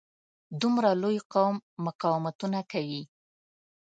دومره لوی قوم مقاومتونه کوي.